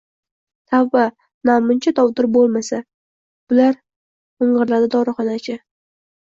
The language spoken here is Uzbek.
Tavba, namuncha dovdir bo`lmasa bularminјirladi dorixonachi